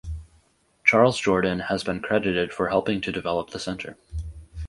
Charles Jordan has been credited for helping to develop the center.